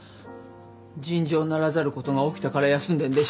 尋常ならざることが起きたから休んでんでしょ？